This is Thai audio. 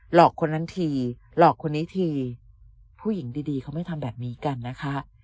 อกคนนั้นทีหลอกคนนี้ทีผู้หญิงดีเขาไม่ทำแบบนี้กันนะคะ